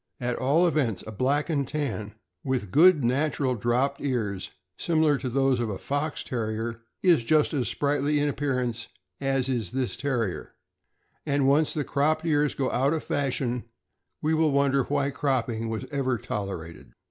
At all events, a Black and Tan with good natural dropped ears, similar to those of a Fox Terrier, is just as sprightly in appearance as is this Terrier; and once the cropped ears go out of fashion, we will wonder why cropping was ever tolerated.